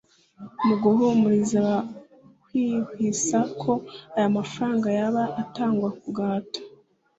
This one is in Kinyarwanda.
Mu guhumuriza abahwihwisa ko aya mafaranga yaba atangwa ku gahato